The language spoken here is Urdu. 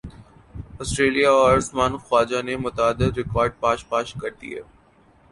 سٹریلیا اور عثمان خواجہ نے متعدد ریکارڈز پاش پاش کر دیے